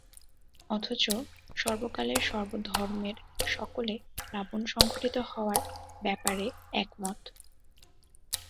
অথচ সর্বকালের সর্ব ধর্মের সকলে প্লাবন সংঘটিত হওয়ার ব্যাপারে একমত।